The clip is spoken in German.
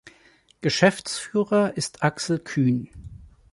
Geschäftsführer ist Axel Kühn.